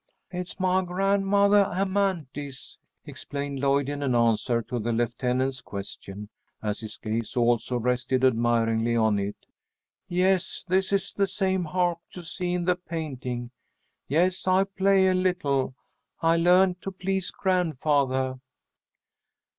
"It is my grandmothah Amanthis," explained Lloyd in answer to the lieutenant's question, as his gaze also rested admiringly on it. "Yes, this is the same harp you see in the painting. Yes, I play a little. I learned to please grandfathah."